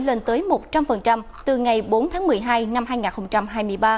lên tới một trăm linh từ ngày bốn tháng một mươi hai năm hai nghìn hai mươi ba